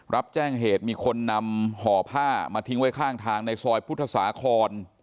รับแจ้งเหตุมีคนนำห่อผ้ามาทิ้งไว้ข้างทางในซอยพุทธศาคอน